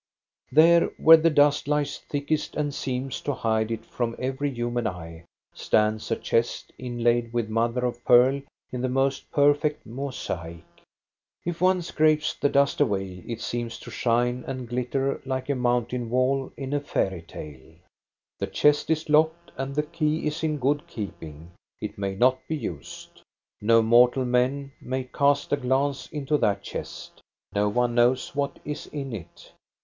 There, where the dust lies thickest and seems to hide it from every human eye, stands a chest, inlaid with mother of pearl in the most perfect mosaic. If one scrapes the dust away, it seems to shine and glitter like a mountain wall in a fairy tale. The chest is locked, and the key is in good keeping ; it may not be used. No mortal man may cast a glance into that chest. No one knows what is in it.